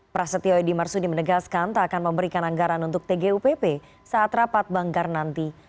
prasetyo edy marsudi menegaskan tak akan memberikan anggaran untuk tgupp saat rapat banggar nanti